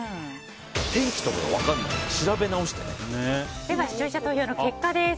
天気とか分からないから視聴者投票の結果です。